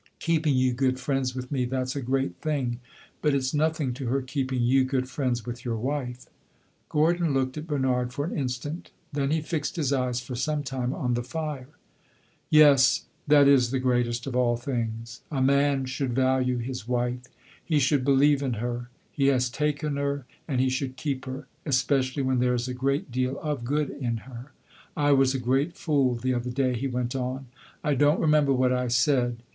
"Keeping you good friends with me that 's a great thing. But it 's nothing to her keeping you good friends with your wife." Gordon looked at Bernard for an instant; then he fixed his eyes for some time on the fire. "Yes, that is the greatest of all things. A man should value his wife. He should believe in her. He has taken her, and he should keep her especially when there is a great deal of good in her. I was a great fool the other day," he went on. "I don't remember what I said.